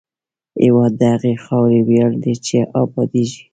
هېواد د هغې خاورې ویاړ دی چې ابادېږي.